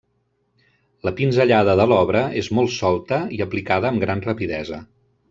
La pinzellada de l'obra és molt solta i aplicada amb gran rapidesa.